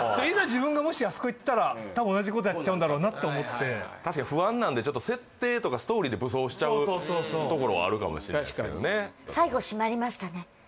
自分がもしあそこ行ったら多分同じことやっちゃうんだろうなって思って確かに不安なんで設定とかストーリーで武装しちゃうそうそうところはあるかもしれない最後締まりましたね